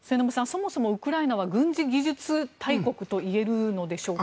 そもそもウクライナは軍事技術大国といえるのでしょうか。